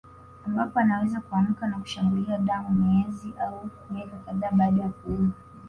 Ambapo anaweza kuamka na kushambulia damu miezi au miaka kadhaa baada ya kuumwa